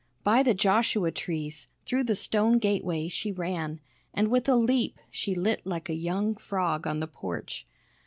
By the Joshua trees, through the stone gateway she ran, and with a leap she lit like a young frog on the porch.